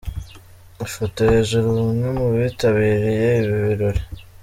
Ifoto hejuru : Bamwe mu bitabiriye ibi birori.